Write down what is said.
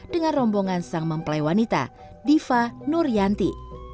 dengan rombongan sang mempelai wanita diva nurianti